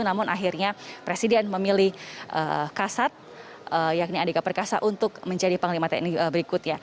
namun akhirnya presiden memilih kasat yakni andika perkasa untuk menjadi panglima tni berikutnya